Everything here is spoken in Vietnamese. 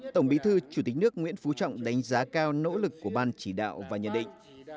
tổng bí thư chủ tịch nước nguyễn phú trọng đánh giá cao nỗ lực của ban chỉ đạo và nhận định